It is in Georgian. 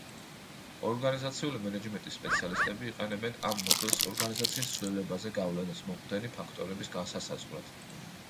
ორგანიზაციული მენეჯმენტის სპეციალისტები იყენებენ ამ მოდელს ორგანიზაციის ცვლილებაზე გავლენის მომხდენი ფაქტორების განსასაზღვრად.